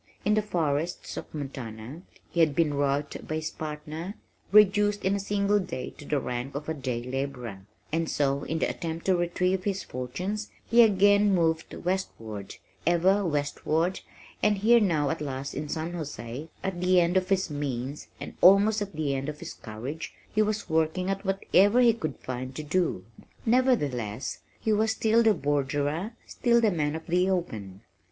In the forests of Montana he had been robbed by his partner, reduced in a single day to the rank of a day laborer, and so in the attempt to retrieve his fortunes, had again moved westward ever westward, and here now at last in San José, at the end of his means and almost at the end of his courage, he was working at whatever he could find to do. Nevertheless, he was still the borderer, still the man of the open.